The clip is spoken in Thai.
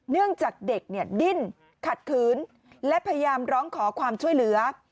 เนื่องจากเด็กเนี่ยดิ้นขัดขืนและพยายามร้องขอความช่วยเหลือ